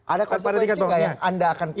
ada konsekuensi nggak yang anda akan katakan